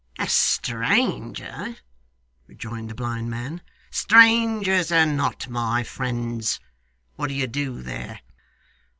'A stranger!' rejoined the blind man. 'Strangers are not my friends. What do you do there?